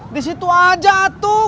disitu aja tuh